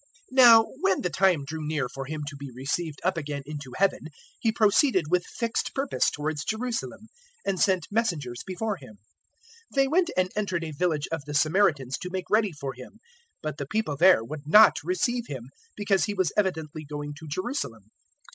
009:051 Now when the time drew near for Him to be received up again into Heaven, He proceeded with fixed purpose towards Jerusalem, and sent messengers before Him. 009:052 They went and entered a village of the Samaritans to make ready for Him. 009:053 But the people there would not receive Him, because He was evidently going to Jerusalem.